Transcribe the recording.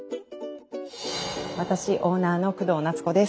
私オーナーの工藤夏子です。